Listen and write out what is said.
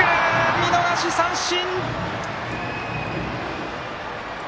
見逃し三振！